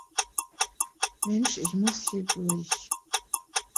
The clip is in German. Mensch, ich muss hier durch!